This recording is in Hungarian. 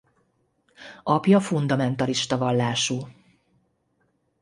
Apja fundamentalista vallású.